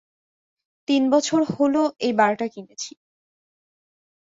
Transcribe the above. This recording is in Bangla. তিনবছর হলো এই বারটা কিনেছি।